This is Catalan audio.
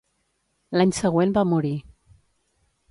L'any següent va morir.